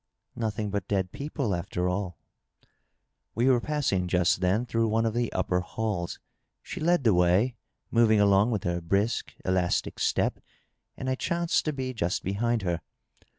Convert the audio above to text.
" Nothing but dead people, afl«r all* We were passing, just then, through one of the upper halls. She led the way, moving along with her brisk, elastic step, and I chanced to be just behind her.